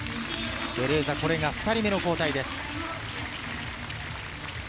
ベレーザ、これが２人目の交代です。